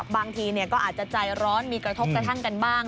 บางทีก็อาจจะใจร้อนมีกระทบกระทั่งกันบ้าง